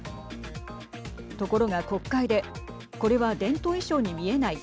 ところが、国会でこれは伝統衣装に見えない。